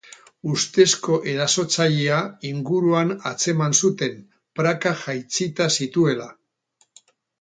Ustezko erasotzailea inguruan atzeman zuten, prakak jaitsita zituela.